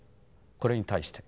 これに対して。